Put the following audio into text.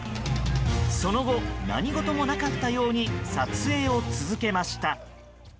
その後、何事もなかったように撮影を続けました。